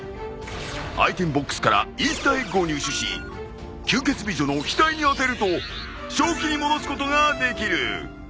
アイテムボックスからイースター・エッグを入手し吸血美女の額に当てると正気に戻すことができる。